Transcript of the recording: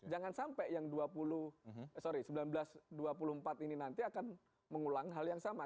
jangan sampai yang dua puluh sorry seribu sembilan ratus dua puluh empat ini nanti akan mengulang hal yang sama